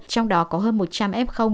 trong đó có hơn một trăm linh ép không